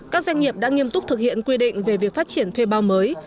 các doanh nghiệp đã nghiêm túc thực hiện quy định về việc phát triển thuê bao mới